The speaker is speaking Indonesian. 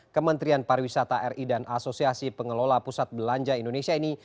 kementerian pariwisata ri dan asosiasi pengelola pusat belanja indonesia ini